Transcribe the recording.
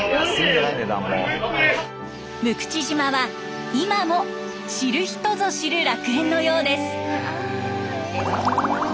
六口島は今も知る人ぞ知る楽園のようです。